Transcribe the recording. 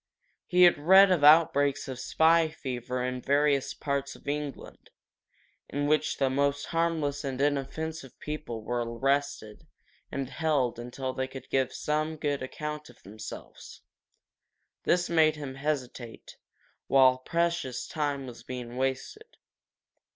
He had read of outbreaks of spy fever in various parts of England, in which the most harmless and inoffensive people were arrested and held until they could give some good account of themselves. This made him hesitate, while precious time was being wasted.